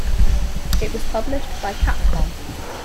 It was published by Capcom.